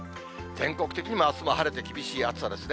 全国的にも、あすも晴れて厳しい暑さですね。